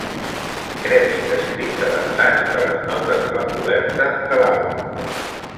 Crèdits escrits adaptats de les notes de la coberta de l'àlbum.